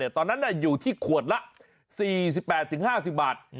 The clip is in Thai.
ตอนนั้นอยู่ที่ขวดละ๔๘๕๐บาท